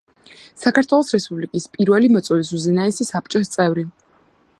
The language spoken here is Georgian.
საქართველოს რესპუბლიკის პირველი მოწვევის უზენაესი საბჭოს წევრი.